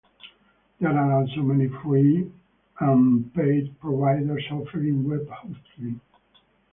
There are also many free and paid providers offering web hosting.